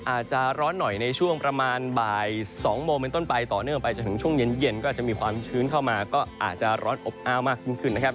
อาจจะร้อนหน่อยในช่วงประมาณบ่าย๒โมงเป็นต้นไปต่อเนื่องไปจนถึงช่วงเย็นก็อาจจะมีความชื้นเข้ามาก็อาจจะร้อนอบอ้าวมากยิ่งขึ้นนะครับ